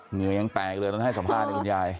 เหงื่อยังแตกเลยตอนให้สัมภาษณ์คุณยาย